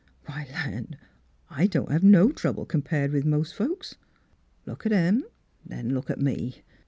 Why, land ! I don't have no trouble compared with most folks. Look at 'em ; then look at me.